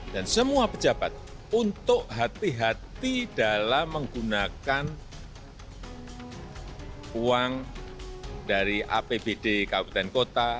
dan semua pejabat untuk hati hati dalam menggunakan uang dari apbd kabupaten kota